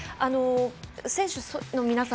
選手の皆さん